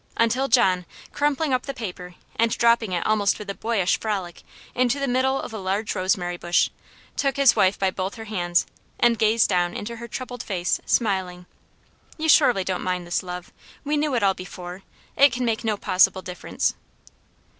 Until John, crumpling up the paper, and dropping it almost with a boyish frolic into the middle of a large rosemary bush, took his wife by both her hands, and gazed down into her troubled face, smiling. "You surely don't mind this, love? We knew it all before. It can make no possible difference."